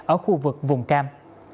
ở khu vực vùng cam